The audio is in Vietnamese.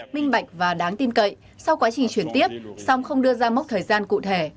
minh bạch và đáng tin cậy sau quá trình chuyển tiếp song không đưa ra mốc thời gian cụ thể